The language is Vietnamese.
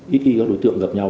ít khi các đối tượng gặp nhau